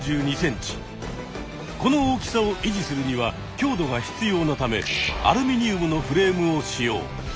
この大きさをいじするには強度が必要なためアルミニウムのフレームを使用。